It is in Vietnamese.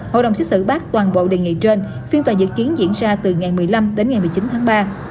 hội đồng xét xử bác toàn bộ đề nghị trên phiên tòa dự kiến diễn ra từ ngày một mươi năm đến ngày một mươi chín tháng ba